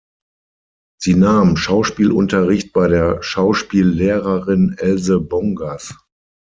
Sie nahm Schauspielunterricht bei der Schauspiellehrerin Else Bongers.